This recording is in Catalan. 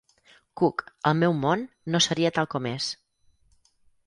Cook el meu món no seria tal com és.